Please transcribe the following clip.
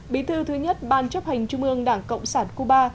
bí thư thứ nhất ban chấp hành trung ương đảng cộng sản cuba